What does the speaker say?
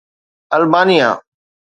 Albania